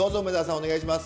お願いします。